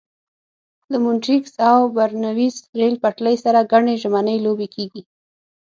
له مونټریکس او برنویس ریل پټلۍ سره ګڼې ژمنۍ لوبې کېږي.